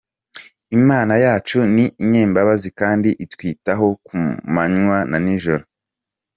Imana yacu ni inyembabazi kandi itwitaho ku manywa na n'ijoro.